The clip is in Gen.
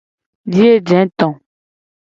Biye je to.